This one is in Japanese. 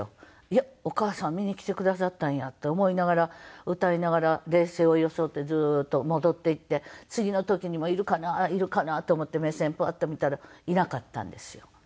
いやお母さん見に来てくださったんやって思いながら歌いながら冷静を装ってずっと戻って行って次の時にもいるかないるかなと思って目線パッと見たらいなかったんですよ